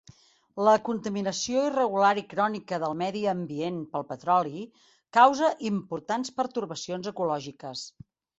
La contaminació irregular i crònica del medi ambient pel petroli causa importants pertorbacions ecològiques.